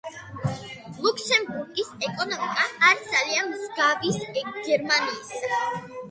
ლუქსემბურგის ეკონომიკა არის ძალიან მსგავის გერმანიისა.